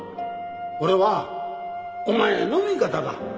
俺はお前の味方だ。